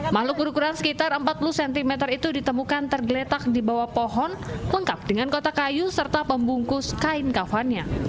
makhluk berukuran sekitar empat puluh cm itu ditemukan tergeletak di bawah pohon lengkap dengan kotak kayu serta pembungkus kain kafannya